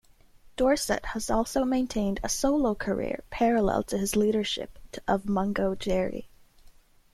Dorset has also maintained a solo career parallel to his leadership of Mungo Jerry.